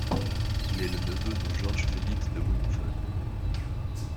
Il est le neveu de Georges Félix de Wimpffen.